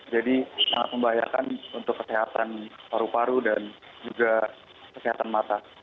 jadi sangat membahayakan untuk kesehatan paru paru dan juga kesehatan mata